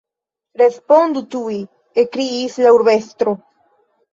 Respondu tuj! ekkriis la urbestro.